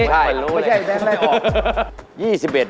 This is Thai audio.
ไม่ใช่แกได้ออก